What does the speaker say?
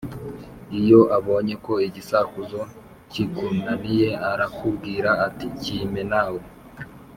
iyo abonye ko igisakuzo kikunaniye arakubwira ati “kimpe”. Nawe